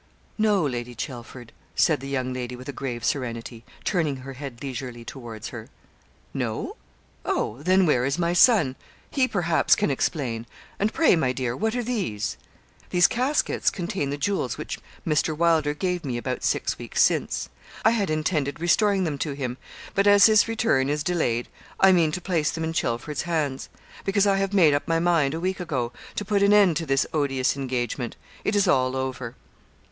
'No, Lady Chelford,' said the young lady with a grave serenity, turning her head leisurely towards her. 'No? Oh, then where is my son? He, perhaps, can explain; and pray, my dear, what are these?' 'These caskets contain the jewels which Mr. Wylder gave me about six weeks since. I had intended restoring them to him; but as his return is delayed, I mean to place them in Chelford's hands; because I have made up my mind, a week ago, to put an end to this odious engagement. It is all over.'